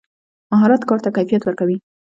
مهارت کار ته کیفیت ورکوي.